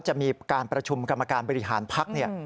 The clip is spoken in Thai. จะมีการประชุมกรรมการบริหารพัก